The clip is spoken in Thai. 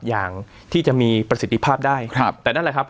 อย่างที่จะมีประสิทธิภาพได้ครับแต่นั่นแหละครับ